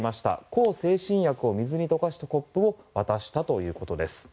向精神薬を水に溶かしたコップを渡したということです。